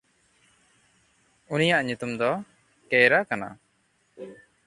ᱩᱱᱤᱭᱟᱜ ᱧᱩᱛᱩᱢ ᱫᱚ ᱠᱮᱭᱨᱟ ᱠᱟᱱᱟ᱾